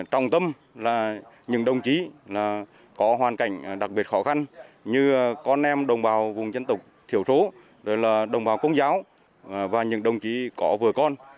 trong tâm là những đồng chí có hoàn cảnh đặc biệt khó khăn như con em đồng bào vùng dân tộc thiểu số rồi là đồng bào công giáo và những đồng chí có vừa con